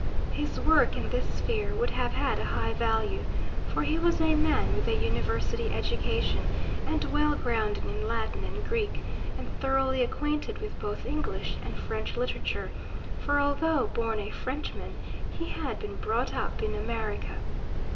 His work in this sphere would have had a high value, for he was a man with a University education and well grounded in Latin and Greek, and thoroughly acquainted with both English and French literature, for although born a Frenchman, he had been brought up in America.